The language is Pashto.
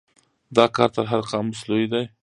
دا کار تر هر قاموس لوی دی.